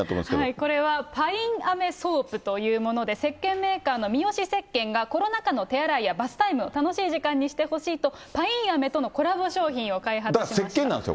これはパインアメソープというものでせっけんメーカーのミヨシ石鹸が、コロナ禍の手洗いやバスタイム、楽しい時間にしてほしいとパインアメとのコラボ商品を開発しましせっけんなんですよ。